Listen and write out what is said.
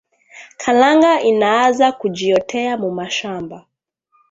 Kalanga inaaza kujioteya mumashamba